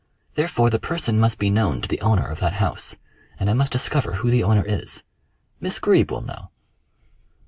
Therefore, the person must be known to the owner of that house, and I must discover who the owner is. Miss Greeb will know."